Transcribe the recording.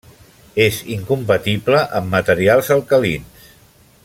És incompatible amb materials alcalins.